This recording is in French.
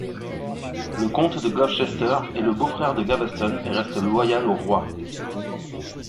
Le comte de Gloucester est le beau-frère de Gaveston et reste loyal au roi.